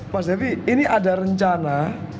mas devi ini ada rencana